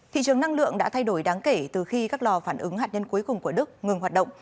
thị trường năng lượng đã thay đổi đáng kể từ khi các lò phản ứng hạt nhân cuối cùng của đức ngừng hoạt động